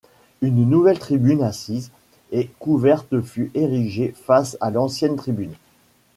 Une nouvelle tribune assise et couverte fut érigée face à l'ancienne tribune.